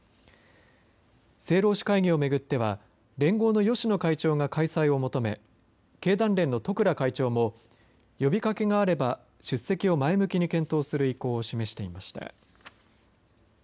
政労使会議を巡っては連合の芳野会長が開催を求め経団連の十倉会長も呼びかけがあれば出席を前向きに検討する意向を示していました。